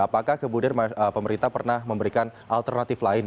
apakah kemudian pemerintah pernah memberikan alternatif lain